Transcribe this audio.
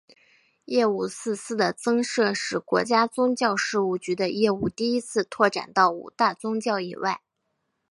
业务四司的增设使国家宗教事务局的业务第一次拓展到五大宗教以外。